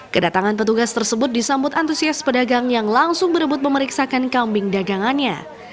kedatangan petugas tersebut disambut antusias pedagang yang langsung berebut memeriksakan kambing dagangannya